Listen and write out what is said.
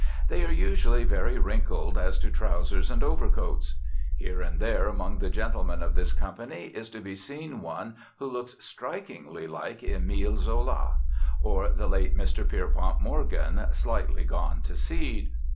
They are usually very wrinkled as to trowsers and overcoats. Here and there among the gentlemen of this company is to be seen one who looks strikingly like Emile Zola, or the late Mr. Pierpont Morgan slightly gone to seed.